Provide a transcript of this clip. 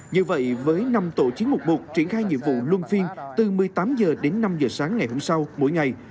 như vậy với năm tổ chiến mục một triển khai nhiệm vụ luân phiên từ một mươi tám h đến năm h sáng ngày hôm sau mỗi ngày